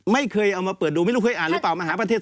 ไม่เคยเอามาเปิดดูไม่รู้เคยอ่านหรือเปล่ามาหาประเทศ